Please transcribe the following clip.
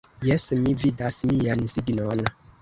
Jes, mi vidas mian signon